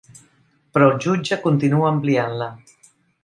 Però el jutge continua ampliant-la.